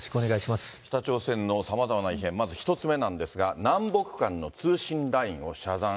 北朝鮮のさまざまな異変、まず１つ目なんですが、南北間の通信ラインを遮断。